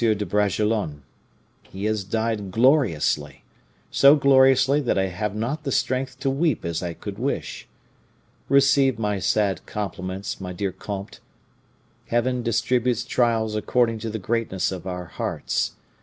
de Bragelonne. He has died gloriously, so gloriously that I have not the strength to weep as I could wish. Receive my sad compliments, my dear comte. Heaven distributes trials according to the greatness of our hearts.